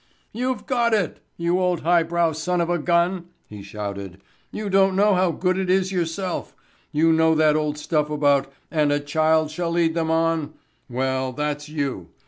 "You've got it, you old highbrow son of a gun," he shouted. "You don't know how good it is yourself. You know that old stuff about 'and a child shall lead them on.' Well, that's you.